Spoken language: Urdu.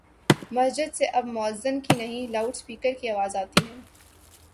مسجد سے اب موذن کی نہیں، لاؤڈ سپیکر کی آواز آتی ہے۔